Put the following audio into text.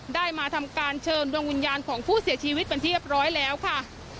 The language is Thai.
ได้มาทำการเชิญดวงวิญญาณของผู้เสียชีวิตเป็นที่เรียบร้อยแล้วค่ะ